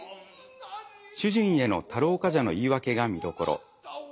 主人への太郎冠者の言い訳が見どころ。